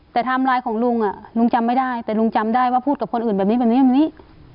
แต่ไทม์ไลน์ของลุงลุงจำไม่ได้แต่ลุงจำได้ว่าพูดกับคนอื่นแบบนี้แบบนี้